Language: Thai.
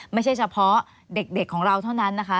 ไม่ใช่เฉพาะเด็กของเราเท่านั้นนะคะ